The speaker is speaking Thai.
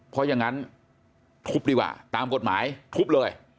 เพราะอย่างนั้นทุบดีกว่าตามกฎหมายทุบเลย